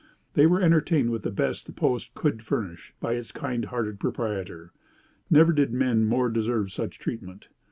They were entertained with the best the post could furnish, by its kind hearted proprietor. Never did men more deserve such treatment.